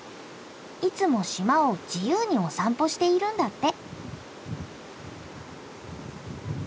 いつも島を自由にお散歩しているんだって。